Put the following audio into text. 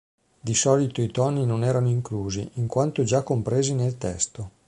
Di solito i toni non erano inclusi, in quanto già compresi nel testo.